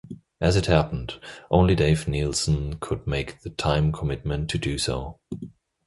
As it happened, only Dave Neilsen could make the time commitment to do so.